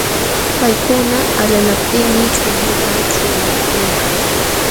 Paykuna alalaptinmi chulluta ćhulakulka.